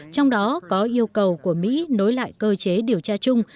trong đó có yêu cầu của mỹ nối lại cơ chế điều tra chung